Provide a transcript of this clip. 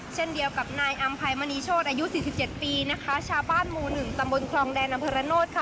เช่นเดียวกับนายอามภัยมณีโชตอายุสี่สิบเจ็ดปีนะคะชาวบ้านมูลหนึ่งตำบลครองแดนอำเภอรโนธค่ะ